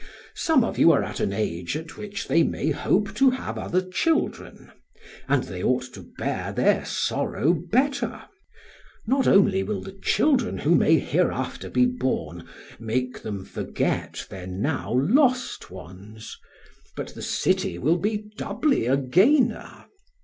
Some of you are at an age at which they may hope to have other children, and they ought to bear their sorrow better; not only will the children who may hereafter be born make them forget their now lost ones, but the city will be doubly a gainer.